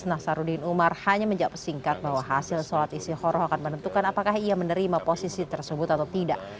nasaruddin umar hanya menjawab singkat bahwa hasil sholat istiqoroh akan menentukan apakah ia menerima posisi tersebut atau tidak